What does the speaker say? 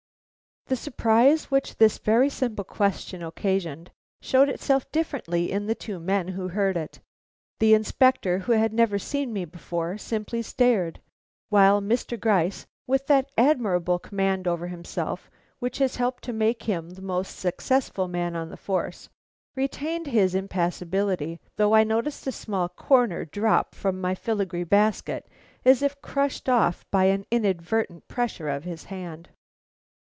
The surprise which this very simple question occasioned, showed itself differently in the two men who heard it. The Inspector, who had never seen me before, simply stared, while Mr. Gryce, with that admirable command over himself which has helped to make him the most successful man on the force, retained his impassibility, though I noticed a small corner drop from my filigree basket as if crushed off by an inadvertent pressure of his hand.